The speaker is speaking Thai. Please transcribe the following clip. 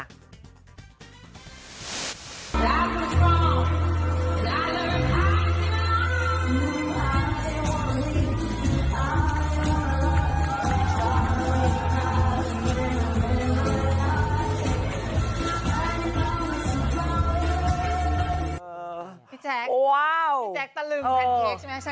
พี่แจ๊วพี่แจ๊วตะลุนแพนเค้กใช่มั้ยสินะใช่